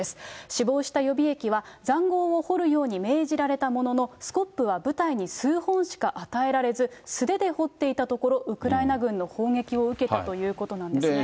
死亡した予備役は、ざんごうを掘るように命じられたものの、スコップは部隊に数本しか与えられず、素手で掘っていたところ、ウクライナ軍の砲撃を受けたということなんですね。